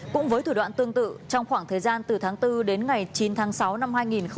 cũng với thủ đoạn tương tự trong khoảng thời gian từ tháng bốn đến ngày chín tháng sáu năm hai nghìn hai mươi